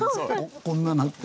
こんななって。